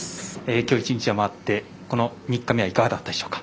きょう１日回って３日目はいかがだったでしょうか。